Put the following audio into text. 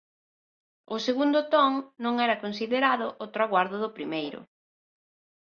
O segundo ton non era considerado o traguardo do primeiro.